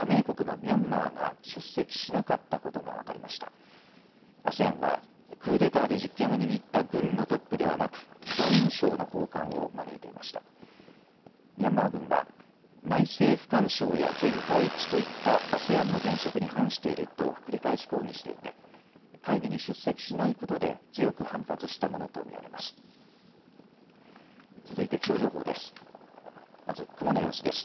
ミャンマー軍は内政不干渉や全会一致といったＡＳＥＡＮの原則に反していると繰り返し抗議していて会議に出席しないことで強く反発したものと見られます。